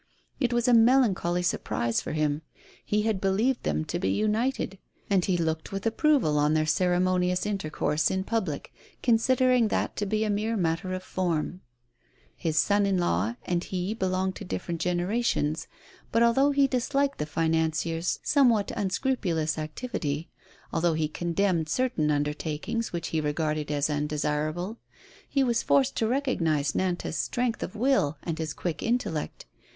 It was a melancholy surprise for him. He had believed them to be united, and he looked with approval on their cere monious intercourse in public, considering that to be a mere matter of form. Ilis son in law and he belonged to different generations; but although he disliked the financier's somewhat unscrupulous activity, although he condemned certain undertakings which he regarded as undesirable, he was forced to recognize Nantas' strength of will and his quick intellect.